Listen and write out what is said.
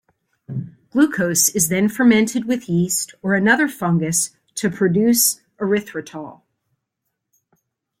Glucose is then fermented with yeast or another fungus to produce erythritol.